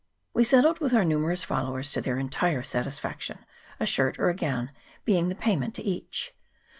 We settled with our numerous followers to their entire satisfaction, a shirt or a gown being the pay ment to each.